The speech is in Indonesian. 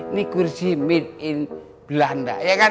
ini kursi meet in belanda ya kan